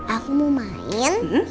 aku mau main